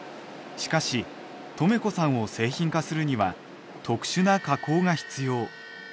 しかしとめこさんを製品化するには特殊な加工が必要。